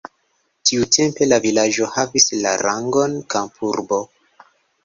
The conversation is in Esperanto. Tiutempe la vilaĝo havis la rangon kampurbo.